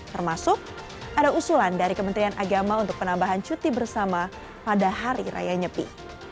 termasuk ada usulan dari kementerian agama untuk penambahan cuti bersama pada hari raya nyepi